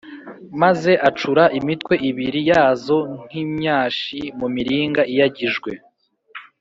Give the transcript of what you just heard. Maze acura imitwe ibiri yazo nk’imyashi mu miringa iyagijwe